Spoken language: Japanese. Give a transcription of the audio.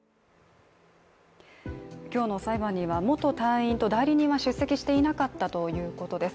今日の裁判には、元隊員と代理人は出席していなかったということです。